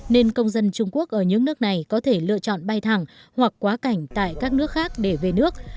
nên công dân trung quốc ở những nước này có thể lựa chọn bay thẳng hoặc quá cảnh tại các nước khác để về nước